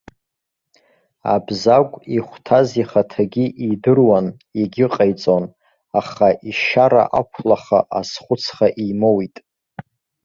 Абзагә ихәҭаз ихаҭагьы идыруан, егьыҟаиҵон, аха ишьара ақәлаха, азхәыцха имоуит.